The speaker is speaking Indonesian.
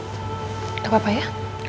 gak apa apa ya